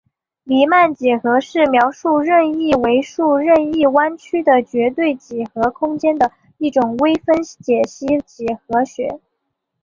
黎曼几何是描述任意维数任意弯曲的绝对几何空间的一种微分解析几何学。